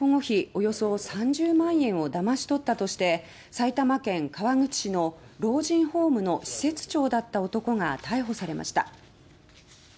およそ３０万円をだまし取ったとして埼玉県川口市の老人ホームの施設長だった男が逮捕されました。